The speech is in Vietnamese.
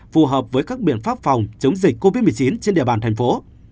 phù hợp với các biện pháp phòng chống dịch covid một mươi chín trên địa bàn thành phố